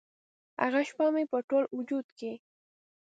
هغه شیبه مې په ټول وجود کې